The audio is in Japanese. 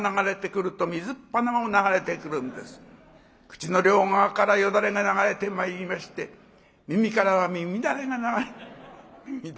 口の両側からよだれが流れてまいりまして耳からは耳だれが流れ耳